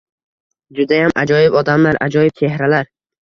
Judayam ajoyib odamlar, ajoyib chehralar